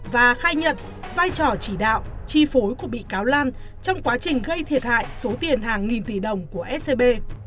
và khai nhận vai trò chỉ đạo chi phối của bị cáo lan trong quá trình gây thiệt hại số tiền hàng nghìn tỷ đồng của scb